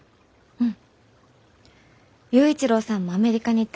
うん。